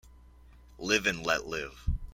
Live and let live.